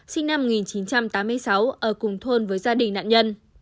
sinh năm một nghìn chín trăm tám mươi sáu ở cùng thôn với gia đình nạn nhân